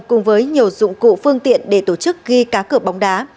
cùng với nhiều dụng cụ phương tiện để tổ chức ghi cá cửa bóng đá